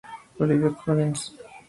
Olivia Collins.